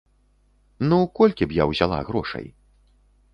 Ну, колькі б я ўзяла грошай?